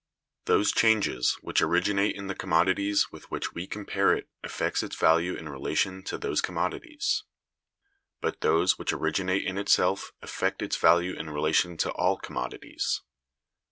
Those [changes] which originate in the commodities with which we compare it affect its value in relation to those commodities; but those which originate in itself affect its value in relation to all commodities.